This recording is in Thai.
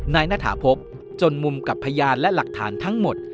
ณฐาพบจนมุมกับพยานและหลักฐานทั้งหมด